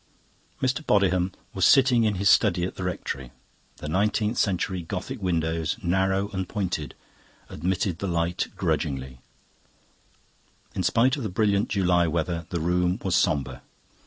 Mr. Bodiham was sitting in his study at the Rectory. The nineteenth century Gothic windows, narrow and pointed, admitted the light grudgingly; in spite of the brilliant July weather, the room was sombre.